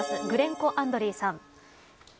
グレンコ・アンドリーさん。